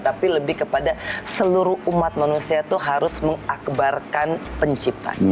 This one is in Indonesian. tapi lebih kepada seluruh umat manusia itu harus mengakbarkan penciptanya